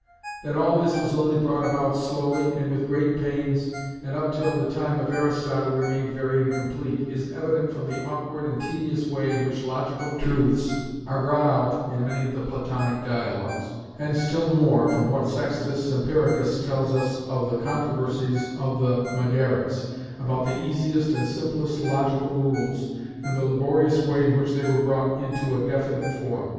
That all this was only brought about slowly, and with great pains, and up till the time of Aristotle remained very incomplete, is evident from the awkward and tedious way in which logical truths are brought out in many of the Platonic dialogues, and still more from what Sextus Empiricus tells us of the controversies of the Megarics, about the easiest and simplest logical rules, and the laborious way in which they were brought into a definite form (Sext. Emp. adv. Math. l. 8, p. 112).